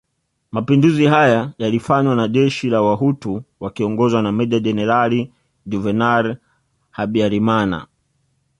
Mapinduzi haya yalifanywa na jeshi la Wahutu wakiongozwa na Meja Jenerali Juvenal Habyarimana